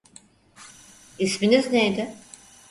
İsminiz neydi?